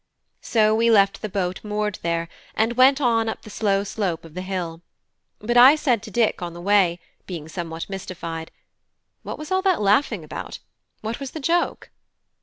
So we left the boat moored there, and went on up the slow slope of the hill; but I said to Dick on the way, being somewhat mystified: "What was all that laughing about? what was the joke!"